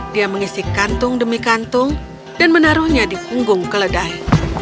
dia mengisi kantung demi kantung dan menaruhnya di punggung keledai